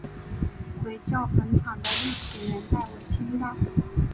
回教坟场的历史年代为清代。